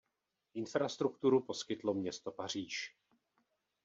Infrastrukturu poskytlo město Paříž.